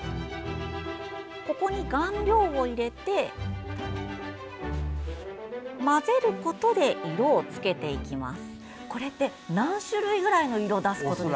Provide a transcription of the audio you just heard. ここに顔料を入れて混ぜることで色をつけていきます。